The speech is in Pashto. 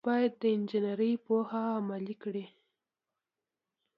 هغه باید د انجنیری پوهه عملي کړي.